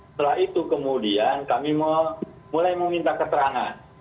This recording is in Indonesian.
setelah itu kemudian kami mulai meminta keterangan